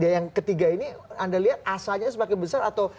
yang ketiga ini anda lihat asanya semakin besar atau